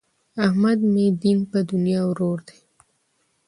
احمد مې دین په دنیا ورور دی.